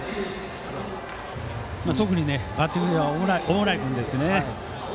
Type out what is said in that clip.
特にバッティングでは小保内君ですね。